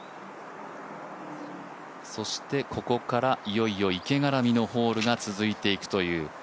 そしてここから池がらみのホールが続いていくという。